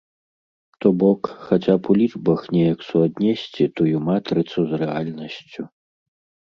То бок, хаця б у лічбах неяк суаднесці тую матрыцу з рэальнасцю.